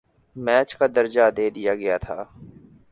match کا درجہ دے دیا گیا تھا